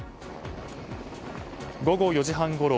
午後４時半ごろ